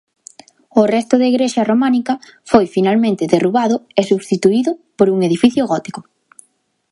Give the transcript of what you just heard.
O resto da igrexa románica foi finalmente derrubado e substituído por un edificio gótico.